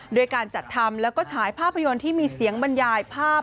ด้วยการจัดทำแล้วก็ฉายภาพยนตร์ที่มีเสียงบรรยายภาพ